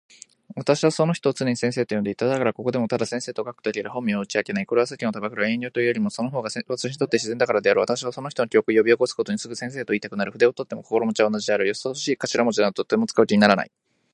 私はその人を常に先生と呼んでいた。だからここでもただ先生と書くだけで本名は打ち明けない。これは世間を憚る遠慮というよりも、その方が私にとって自然だからである。私はその人の記憶を呼び起すごとに、すぐ「先生」といいたくなる。筆を執とっても心持は同じ事である。よそよそしい頭文字などはとても使う気にならない。